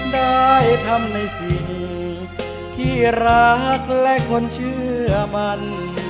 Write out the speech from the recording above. ได้ทำในสิ่งที่รักและคนเชื่อมัน